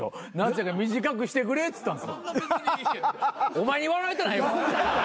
お前に笑われたないわ。